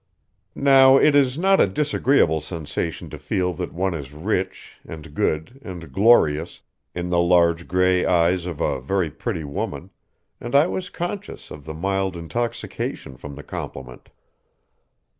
Now it is not a disagreeable sensation to feel that one is rich and good and glorious in the large gray eyes of a very pretty woman, and I was conscious of the mild intoxication from the compliment.